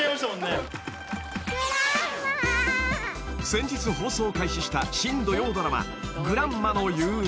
［先日放送開始した新土曜ドラマ『グランマの憂鬱』］